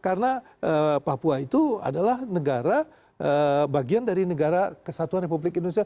karena papua itu adalah negara bagian dari negara kesatuan republik indonesia